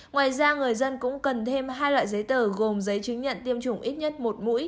ngoài ra người dân cũng cần thêm hai loại giấy tờ gồm giấy chứng nhận tiêm chủng ít nhất một mũi